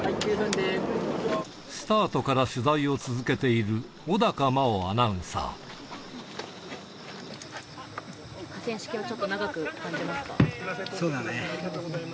スタートから取材を続けてい河川敷はちょっと長く感じまそうだね。